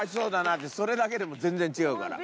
それだけでも全然違うから。